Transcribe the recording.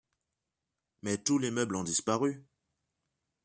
Mais tous les meubles ont disparu.